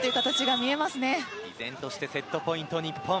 依然としてセットポイント日本。